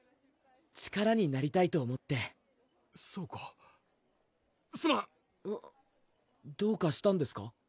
力になりたいと思ってそうかすまんどうかしたんですか？